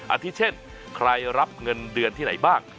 อาทิตย์เช่นใครรับเงินเดือนที่ไหนบ้าง